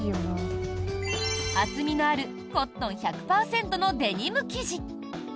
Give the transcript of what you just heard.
厚みのあるコットン１００％のデニム生地。